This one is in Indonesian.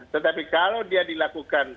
tetapi kalau dia dilakukan